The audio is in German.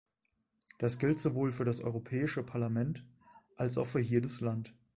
Das gilt sowohl für das Europäische Parlament als auch für jedes Land.